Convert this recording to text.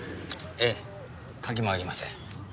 ええ鍵もありません。